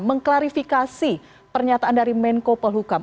mengklarifikasi pernyataan dari menko polhukam